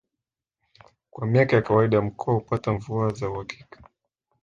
Kwa miaka ya kawaida mkoa hupata mvua za uhakika